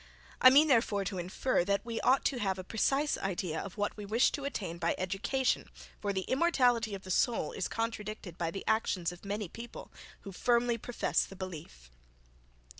I mean, therefore to infer, that we ought to have a precise idea of what we wish to attain by education, for the immortality of the soul is contradicted by the actions of many people, who firmly profess the belief.